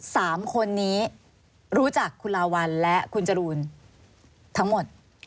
สามคนนี้รู้จักคุณลาวัลและคุณจรูนทั้งหมด